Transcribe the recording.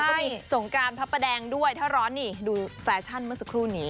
ก็มีสงการพระประแดงด้วยถ้าร้อนนี่ดูแฟชั่นเมื่อสักครู่นี้